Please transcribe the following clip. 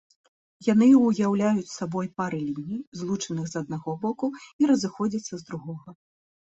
Яны ўяўляюць сабой пары ліній, злучаных з аднаго боку і разыходзяцца з другога.